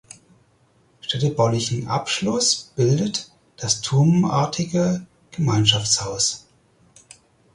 Städtebaulichen Abschluss bildet das turmartige Gemeinschaftshaus.